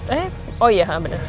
eh oh iya bener